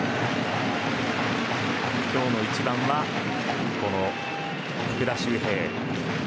今日の１番はこの福田周平。